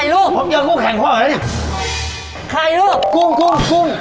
อร่อยมาก